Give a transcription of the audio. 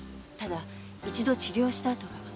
ただ一度治療した跡が。